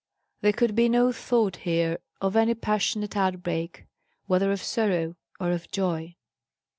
There could be no thought here of any passionate outbreak, whether of sorrow or of joy.